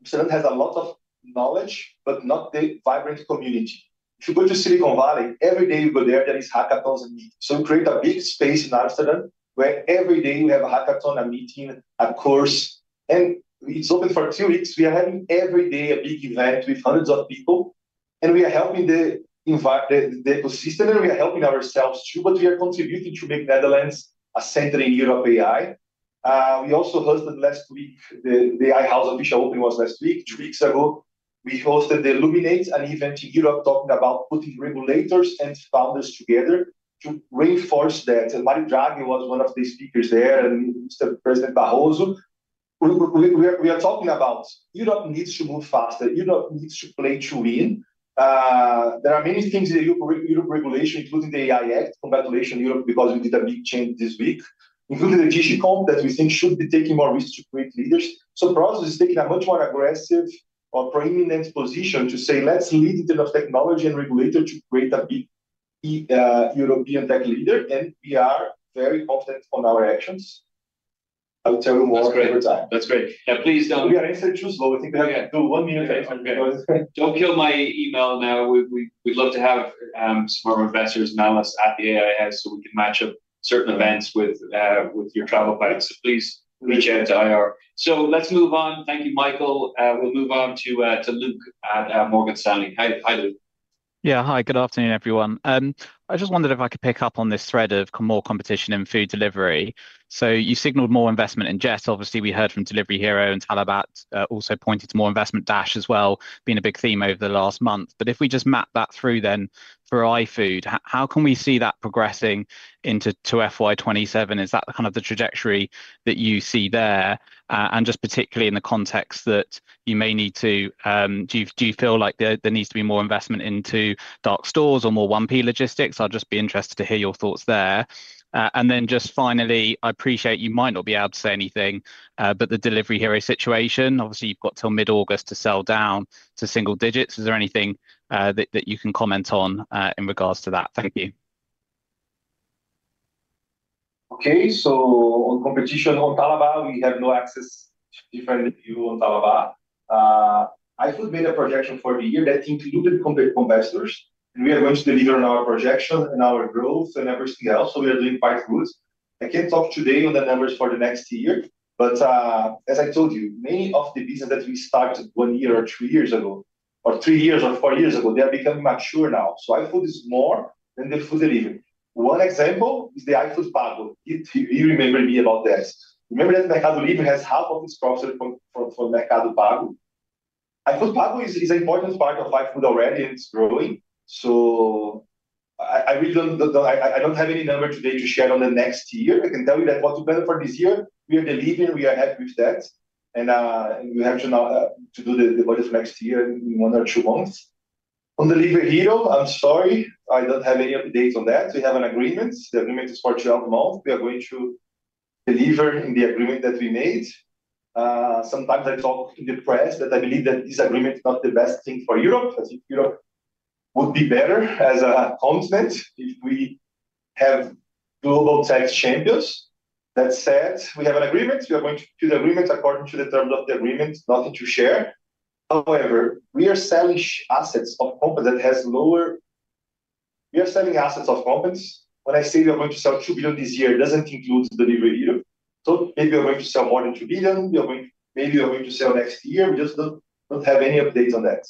A: Amsterdam has a lot of knowledge, but not the vibrant community. If you go to Silicon Valley, every day you go there, there is hackathons and meetings. We create a big space in Amsterdam where every day we have a hackathon, a meeting, a course. It is open for two weeks. We are having every day a big event with hundreds of people. We are helping the ecosystem, and we are helping ourselves too, but we are contributing to make Netherlands a center in Europe AI. We also hosted last week, the AI House official opening was last week, two weeks ago. We hosted the Illuminate, an event in Europe talking about putting regulators and founders together to reinforce that. Mario Draghi was one of the speakers there and Mr. President Barroso. We are talking about Europe needs to move faster. Europe needs to play to win. There are many things in the European regulation, including the AI Act. Congratulations, Europe, because we did a big change this week, including the Digicom that we think should be taking more risks to create leaders. Prosus is taking a much more aggressive or preeminent position to say, let's lead in terms of technology and regulator to create a big European tech leader. We are very confident on our actions. I'll tell you more every time.
B: That's great. Yeah, please don't.
A: We are answering too slow. I think we have to do one minute answer.
B: Don't kill my email now. We'd love to have some more investors, malice at the AI hash, so we can match up certain events with your travel buddies. Please reach out to IR. Let's move on. Thank you, Michael. We'll move on to Luke at Morgan Stanley. Hi, Luke. Yeah, hi, good afternoon, everyone. I just wondered if I could pick up on this thread of more competition in food delivery. You signaled more investment in JET. Obviously, we heard from Delivery Hero and Talabat also pointed to more investment, Dash as well, being a big theme over the last month. If we just map that through then for iFood, how can we see that progressing into Q2 FY2027? Is that kind of the trajectory that you see there? Just particularly in the context that you may need to, do you feel like there needs to be more investment into dark stores or more 1P logistics? I'll just be interested to hear your thoughts there. Finally, I appreciate you might not be able to say anything, but the Delivery Hero situation, obviously you've got till mid-August to sell down to single digits. Is there anything that you can comment on in regards to that? Thank you.
A: Okay, on competition, on Talabat, we have no access to different view on Talabat. iFood made a projection for the year that included competitors. We are going to deliver on our projection and our growth and everything else. We are doing quite good. I can't talk today on the numbers for the next year, but as I told you, many of the businesses that we started one year or two years ago, or three years or four years ago, they are becoming mature now. iFood is more than the food delivery. One example is the iFood Pago. You remember me about that. Remember that Mercado Libre has half of its profits from Mercado Pago? iFood Pago is an important part of iFood already, and it's growing. I really don't have any number today to share on the next year. I can tell you that what to plan for this year, we have delivered, and we are happy with that. We have to do the budget for next year in one or two months. On Delivery Hero, I'm sorry, I don't have any updates on that. We have an agreement. The agreement is for 12 months. We are going to deliver in the agreement that we made. Sometimes I talk in the press that I believe that this agreement is not the best thing for Europe, as if Europe would be better as a continent if we have global tech champions. That said, we have an agreement. We are going to do the agreement according to the terms of the agreement, nothing to share. However, we are selling assets of companies that have lower. We are selling assets of companies. When I say we are going to sell $2 billion this year, it does not include Delivery Hero. Maybe we are going to sell more than $2 billion. Maybe we are going to sell next year. We just do not have any updates on that.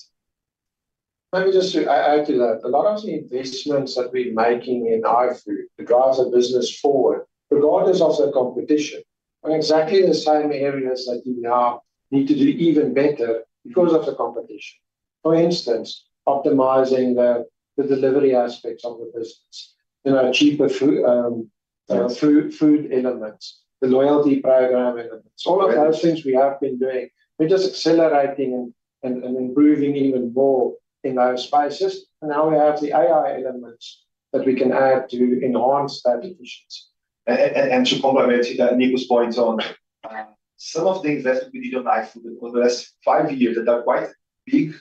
A: Let me just add to that. A lot of the investments that we're making in iFood, the drive of business forward, regardless of the competition, are exactly the same areas that we now need to do even better because of the competition. For instance, optimizing the delivery aspects of the business, cheaper food elements, the loyalty program elements, all of those things we have been doing. We're just accelerating and improving even more in those spaces. Now we have the AI elements that we can add to enhance that efficiency. To complement Nico's point on some of the investments we did on iFood over the last five years that are quite big,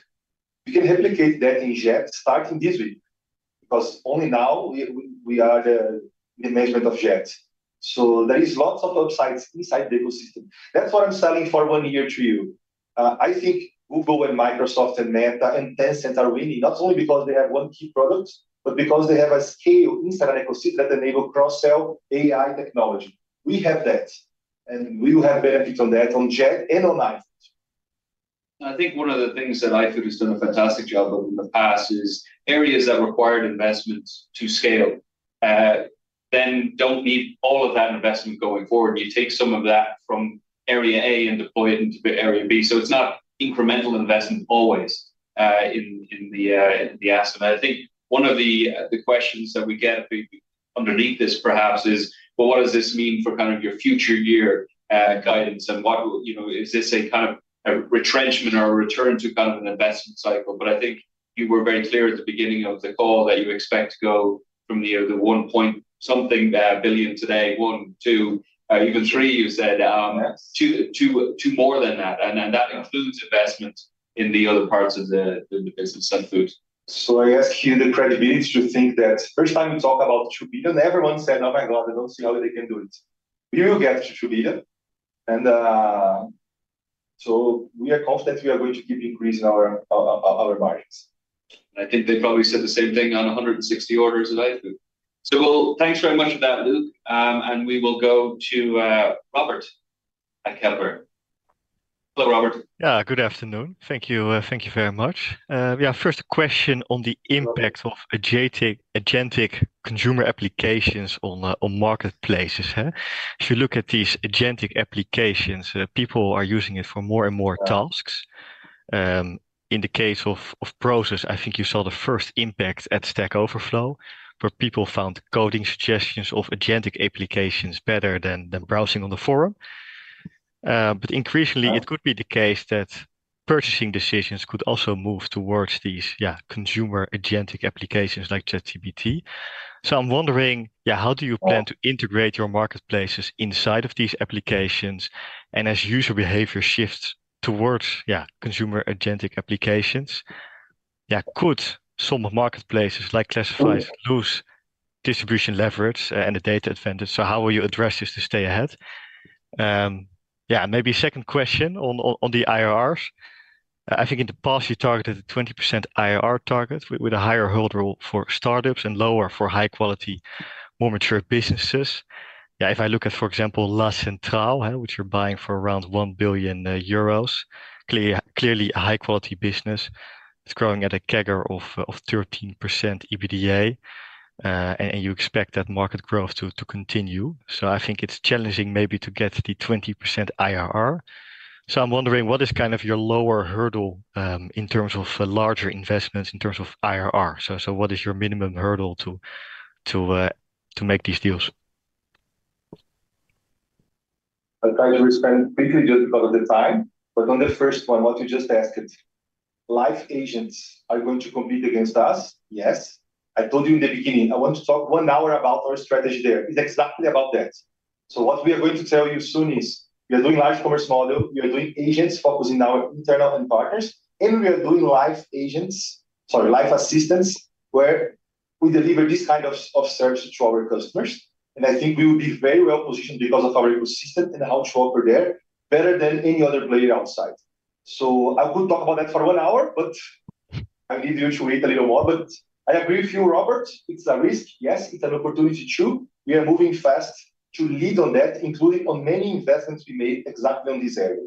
A: we can replicate that in JET starting this week because only now we are the management of JET. There are lots of upsides inside the ecosystem. That is what I'm selling for one year to you. I think Google and Microsoft and Meta and Tencent are winning, not only because they have one key product, but because they have a scale inside an ecosystem that enables cross-sell AI technology. We have that, and we will have benefits on that on JET and on iFood.
B: I think one of the things that iFood has done a fantastic job of in the past is areas that required investment to scale then do not need all of that investment going forward. You take some of that from area A and deploy it into area B. It is not incremental investment always in the asset. I think one of the questions that we get underneath this perhaps is, what does this mean for kind of your future year guidance? Is this a kind of retrenchment or a return to kind of an investment cycle? I think you were very clear at the beginning of the call that you expect to go from the 1 point something billion today, 1, 2, even 3, you said, to more than that. That includes investment in the other parts of the business and food.
A: I ask you the credibility to think that first time you talk about $2 billion, everyone said, oh my God, I don't see how they can do it. We will get to $2 billion. And we are confident we are going to keep increasing our margins.
B: I think they probably said the same thing on 160 million orders of iFood. Thanks very much for that, Luke. We will go to Robert at Kepler. Hello, Robert. Yeah, good afternoon. Thank you very much. Yeah, first question on the impact of agentic consumer applications on marketplaces. If you look at these agentic applications, people are using it for more and more tasks. In the case of Prosus, I think you saw the first impact at Stack Overflow, where people found coding suggestions of agentic applications better than browsing on the forum. Increasingly, it could be the case that purchasing decisions could also move towards these consumer agentic applications like ChatGPT. I'm wondering, how do you plan to integrate your marketplaces inside of these applications? As user behavior shifts towards consumer agentic applications, could some marketplaces like classifieds lose distribution leverage and the data advantage? How will you address this to stay ahead? Yeah, maybe a second question on the IRRs. I think in the past, you targeted a 20% IRR target with a higher hold rule for startups and lower for high-quality, more mature businesses. Yeah, if I look at, for example, La Centrale, which you're buying for around 1 billion euros, clearly a high-quality business, it's growing at a CAGR of 13% EBITDA. You expect that market growth to continue. I think it's challenging maybe to get the 20% IRR. I'm wondering, what is kind of your lower hurdle in terms of larger investments in terms of IRR? What is your minimum hurdle to make these deals?
A: I'll try to respond quickly just because of the time. On the first one, what you just asked, AI agents are going to compete against us? Yes. I told you in the beginning, I want to talk one hour about our strategy there. It's exactly about that. What we are going to tell you soon is we are doing large commerce model. We are doing agents focusing our internal and partners. We are doing live agents, sorry, live assistance, where we deliver this kind of service to our customers. I think we will be very well positioned because of our ecosystem and how to operate there better than any other player outside. I could talk about that for one hour, but I need you to wait a little more. I agree with you, Robert. It's a risk. Yes, it's an opportunity too. We are moving fast to lead on that, including on many investments we made exactly on this area.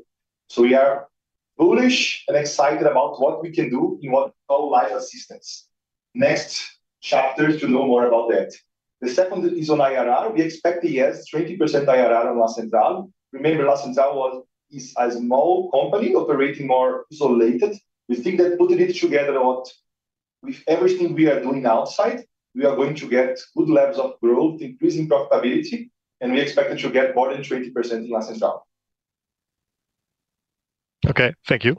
A: We are bullish and excited about what we can do in what we call life assistance. Next chapter to know more about that. The second is on IRR. We expect a yes, 20% IRR on La Centrale. Remember, La Centrale is a small company operating more isolated. We think that putting it together with everything we are doing outside, we are going to get good levels of growth, increasing profitability. We expect it to get more than 20% in La Centrale. Okay, thank you.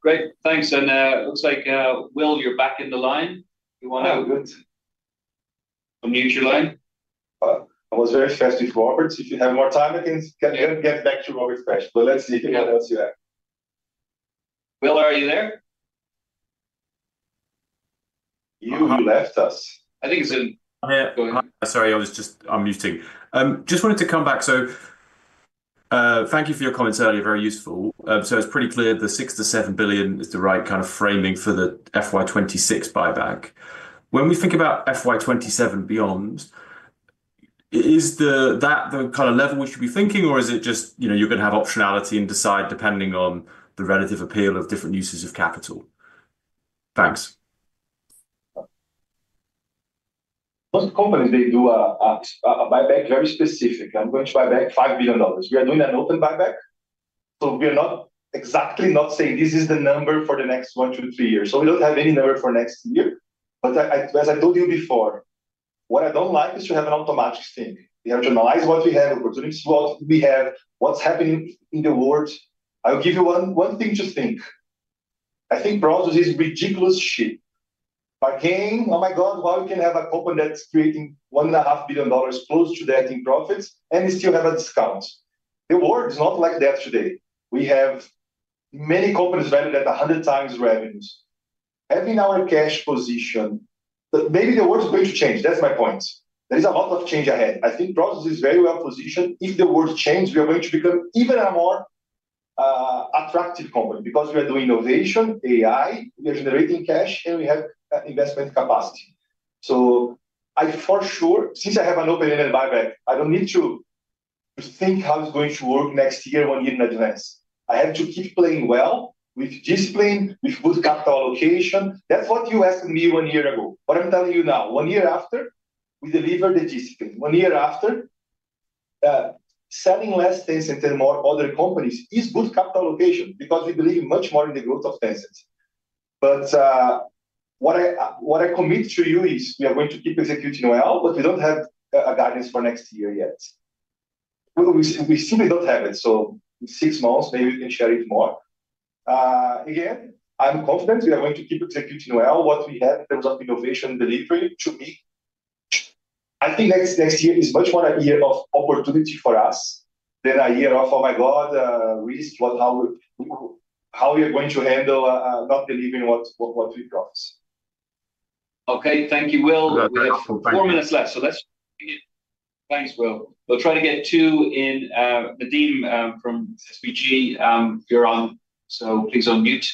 B: Great, thanks. It looks like, Will, you're back in the line.
D: I'm good.
B: Unmute your line.
A: I was very fast with Robert. If you have more time, I can get back to Robert fresh. Let's see what else you have.
B: Will, are you there?
A: You left us.
B: I think it's in.
D: Sorry, I was just unmuting. Just wanted to come back. Thank you for your comments earlier, very useful. It's pretty clear the $6 billion-$7 billion is the right kind of framing for the FY2026 buyback. When we think about FY2027 beyond, is that the kind of level we should be thinking, or is it just you're going to have optionality and decide depending on the relative appeal of different uses of capital? Thanks.
A: Most companies, they do a buyback very specific. I'm going to buy back $5 billion. We are doing an open buyback. We are not exactly not saying this is the number for the next one to three years. We do not have any number for next year. As I told you before, what I do not like is to have an automatic thing. We have to analyze what we have, opportunities, what we have, what is happening in the world. I'll give you one thing to think. I think Prosus is a ridiculous shit bargain, oh my God, why we can have a company that is creating $1.5 billion, close to that, in profits and still have a discount. The world is not like that today. We have many companies valued at 100x revenues. Having our cash position, maybe the world is going to change. That is my point. There is a lot of change ahead. I think Prosus is very well positioned. If the world changes, we are going to become even a more attractive company because we are doing innovation, AI, we are generating cash, and we have investment capacity. I for sure, since I have an open-ended buyback, I do not need to think how it is going to work next year, one year in advance. I have to keep playing well with discipline, with good capital allocation. That is what you asked me one year ago. What I am telling you now, one year after, we deliver the discipline. One year after, selling less Tencent and more other companies is good capital allocation because we believe much more in the growth of Tencent. What I commit to you is we are going to keep executing well, but we do not have a guidance for next year yet. We simply don't have it. In six months, maybe we can share it more. Again, I'm confident we are going to keep executing well what we have in terms of innovation and delivery. To me, I think next year is much more a year of opportunity for us than a year of, oh my God, risk, how we are going to handle not delivering what we promised.
B: Okay, thank you, Will. We have four minutes left. Let's begin it. Thanks, Will. We'll try to get two in. Nadeem from SVG, you're on. Please unmute.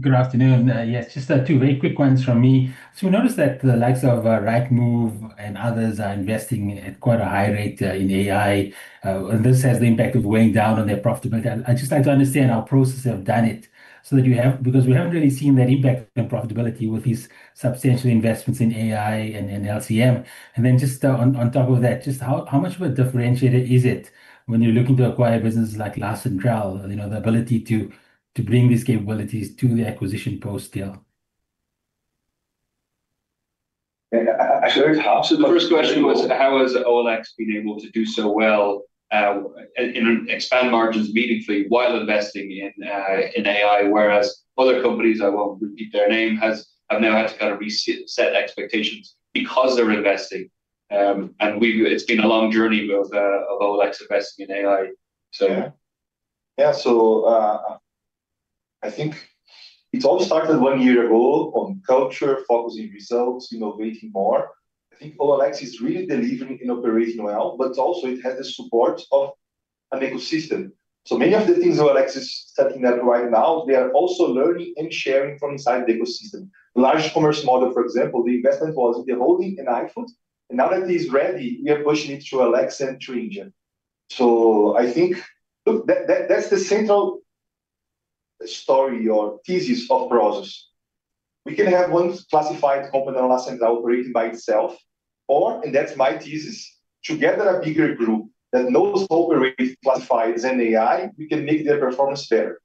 B: Good afternoon. Yes, just two very quick ones from me. We noticed that the likes of Rightmove and others are investing at quite a high rate in AI. This has the impact of going down on their profitability. I just like to understand how Prosus have done it so that you have, because we haven't really seen that impact on profitability with these substantial investments in AI and LCM. Just on top of that, just how much of a differentiator is it when you're looking to acquire businesses like La Centrale, the ability to bring these capabilities to the acquisition post still?
A: I should have half.
B: The first question was, how has OLX been able to do so well and expand margins meaningfully while investing in AI, whereas other companies, I won't repeat their name, have now had to kind of reset expectations because they're investing. It's been a long journey with OLX investing in AI.
A: Yeah, so I think it all started one year ago on culture, focusing results, innovating more. I think OLX is really delivering and operating well, but also it has the support of an ecosystem. So many of the things OLX is setting up right now, they are also learning and sharing from inside the ecosystem. Large commerce model, for example, the investment was in the holding in iFood. And now that it is ready, we are pushing it through OLX and through India. I think that's the central story or thesis of Prosus. We can have one classified company on La Centrale, operating by itself, or, and that's my thesis, together a bigger group that knows how to operate classifieds and AI, we can make their performance better.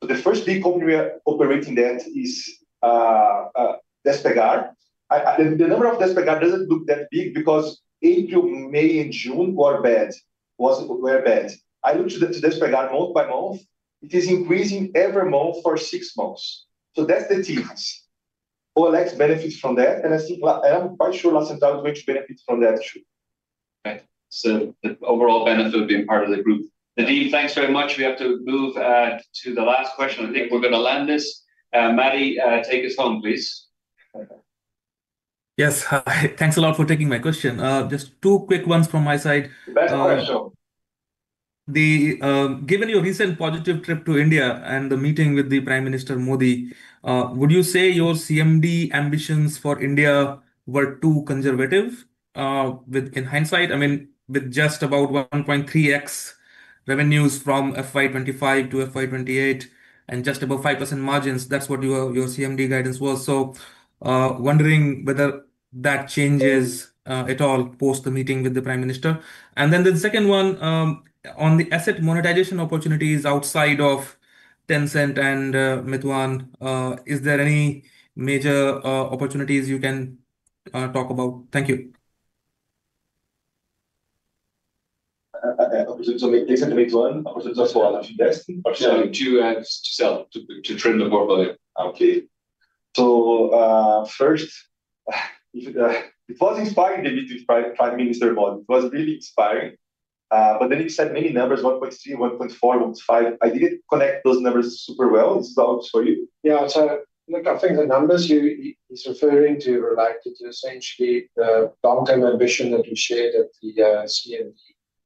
A: The first big company operating that is Despegar. The number of Despegar does not look that big because April, May, and June were bad. I looked at Despegar month by month. It is increasing every month for six months. That is the thesis. OLX benefits from that. I think, and I am quite sure La Centrale is going to benefit from that too.
B: Right. The overall benefit of being part of the group. Nadeem, thanks very much. We have to move to the last question. I think we're going to land this. Maddie, take us home, please. Yes, thanks a lot for taking my question. Just two quick ones from my side.
A: The best question. Given your recent positive trip to India and the meeting with Prime Minister Modi, would you say your CMD ambitions for India were too conservative in hindsight? I mean, with just about 1.3x revenues from FY2025-FY2028 and just above 5% margins, that's what your CMD guidance was. I am wondering whether that changes at all post the meeting with the Prime Minister. The second one, on the asset monetization opportunities outside of Tencent and Meituan, is there any major opportunities you can talk about? Thank you. Opportunities for LCM.
B: To trim the portfolio.
A: Okay. First, it was inspiring to meet the Prime Minister Modi. It was really inspiring. You said many numbers, 1.3, 1.4, 1.5. I did not connect those numbers super well. This is for you.
E: Yeah, look at things in numbers. He's referring to essentially the long-term ambition that you shared at the CMD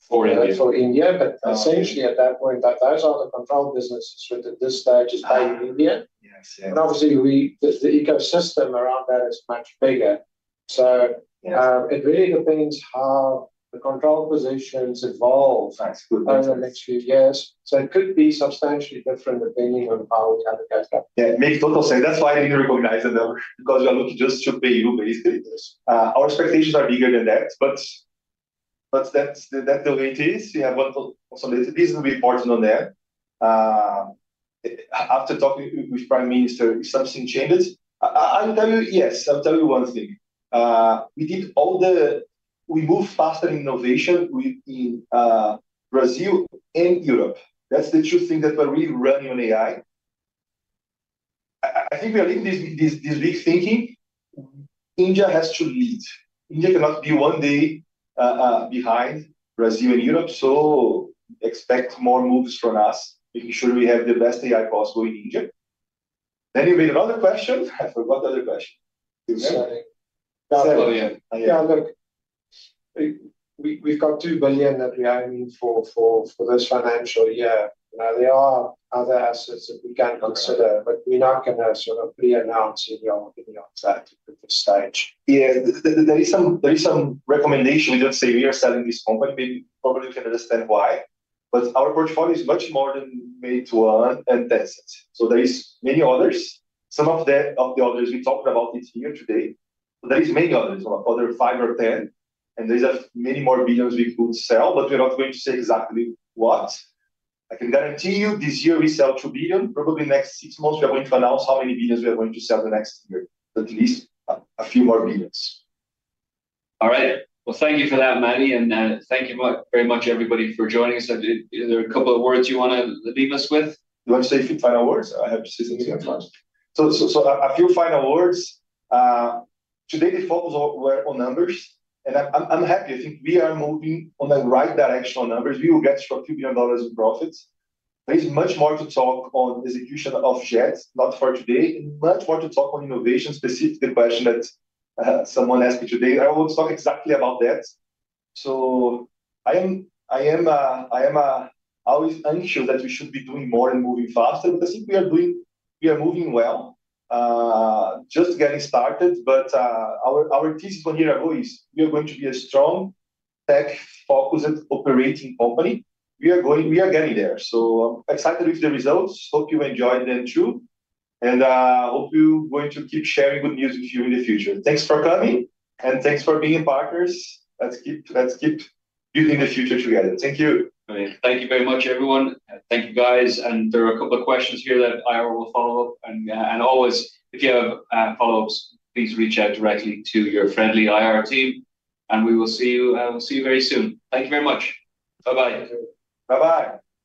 E: for India. At that point, those are the controlled businesses with the dispatches by India. Obviously, the ecosystem around that is much bigger. It really depends how the controlled positions evolve over the next few years. It could be substantially different depending on how we have it.
A: Yeah, makes total sense. That's why I didn't recognize it because you are looking just to PayU, basically. Our expectations are bigger than that. That's the way it is. You have one possibility. This is really important on that. After talking with the Prime Minister, if something changes, I'll tell you, yes, I'll tell you one thing. We did all the—we moved faster in innovation in Brazil and Europe. That's the two things that we're really running on AI. I think we are leaving this big thinking. India has to lead. India cannot be one day behind Brazil and Europe. Expect more moves from us, making sure we have the best AI possible in India. You made another question. I forgot the other question.
E: Yeah, look, we've got $2 billion that we're aiming for this financial year. There are other assets that we can consider, but we're not going to sort of pre-announce any of that at this stage.
A: Yeah, there is some recommendation. We just say we are selling this company. Maybe probably you can understand why. Our portfolio is much more than Meituan and Tencent. There are many others. Some of the others, we talked about it here today. There are many others, about five or ten. There are many more billions we could sell, but we're not going to say exactly what. I can guarantee you this year we sell $2 billion. Probably in the next six months, we are going to announce how many billions we are going to sell the next year. At least a few more billions.
B: All right. Thank you for that, Maddie. Thank you very much, everybody, for joining us. Are there a couple of words you want to leave us with?
A: Do you want to say a few final words? I have to say something at first. A few final words. Today, the focus was on numbers. I am happy. I think we are moving in the right direction on numbers. We will get $2 billion in profits. There is much more to talk on execution of JET, not for today. Much more to talk on innovation, specifically the question that someone asked me today. I will talk exactly about that. I am always unsure that we should be doing more and moving faster. I think we are moving well, just getting started. Our thesis one year ago is we are going to be a strong, tech-focused operating company. We are getting there. I am excited with the results. Hope you enjoyed them too. I hope you're going to keep sharing good news with you in the future. Thanks for coming. Thanks for being partners. Let's keep building the future together. Thank you.
B: Thank you very much, everyone. Thank you, guys. There are a couple of questions here that I will follow up. If you have follow-ups, please reach out directly to your friendly IR team. We will see you very soon. Thank you very much. Bye-bye.
A: Bye-bye.